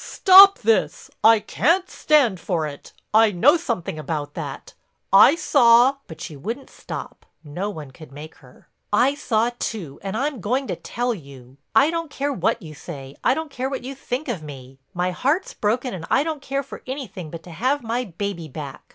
"Stop this. I can't stand for it—I know something about that—I saw—" But she wouldn't stop, no one could make her: "I saw too, and I'm going to tell you. I don't care what you say, I don't care what you think of me—my heart's broken and I don't care for anything but to have my baby back."